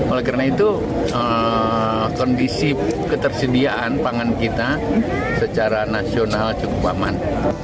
oleh karena itu kondisi ketersediaan pangan kita secara nasional cukup aman